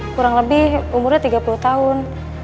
kurang lebih umurnya tiga puluh tahun